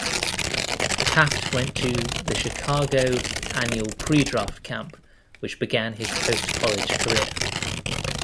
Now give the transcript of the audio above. Taft went to the Chicago Annual Predraft Camp which began his post-college career.